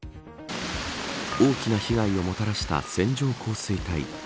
大きな被害をもたらした線状降水帯。